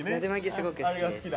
すごく好きです。